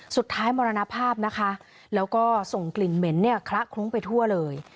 สุดท้ายมรณภาพนะคะแล้วก็ส่งกลิ่นเหม็นเนี่ยคละคลุ้งไปทั่วเลย